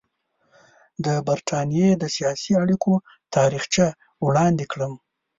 د برټانیې د سیاسي اړیکو تاریخچه وړاندې کړم.